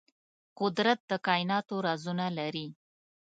قدرت د کائناتو رازونه لري.